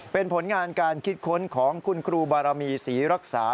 เป็นผลงานการคิดค้นของคุณครูบารมีศรีรักษา